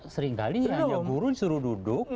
seringkali guru disuruh duduk